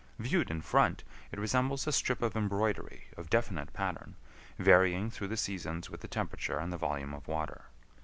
Viewed in front, it resembles a strip of embroidery of definite pattern, varying through the seasons with the temperature and the volume of water.